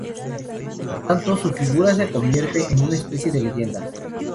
Por tanto, su figura se convierte en una especie de leyenda.